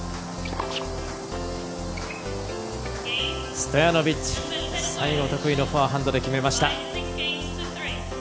ストヤノビッチ、最後得意のフォアハンドで決めました。